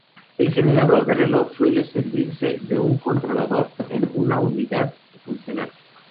El generador de reloj suele servirse de un controlador en una unidad funcional.